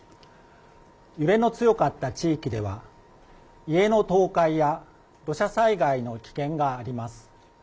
揺れの強かった地域では家の倒壊や土砂災害の危険があります。